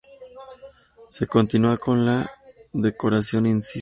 Se continúa con la decoración incisa.